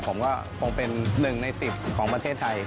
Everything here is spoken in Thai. ผมก็คงเป็น๑ใน๑๐ของประเทศไทย